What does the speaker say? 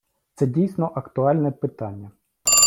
Це дійсно актуальне питання.